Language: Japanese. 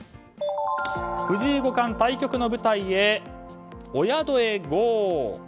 藤井五冠、対局の舞台へお宿へＧＯ！